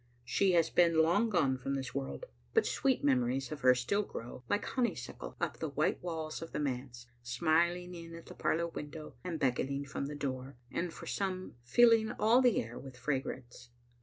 She has been long gone from this world; but sweet memories of her still grow, like honeysuckle, up the white walls of the manse, smiling in at tlie parlor window and beck oning from the door, and for some filling all the air with fragrance.